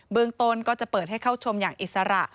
เมืองต้นก็จะเปิดให้เข้าชมอย่างอิสระ